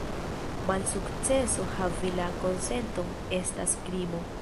Malsukceso havi la konsenton estas krimo.